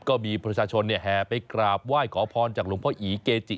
ก็มีประชาชนแห่ไปกราบไหว้ขอพรจากหลวงพ่ออีเกจิ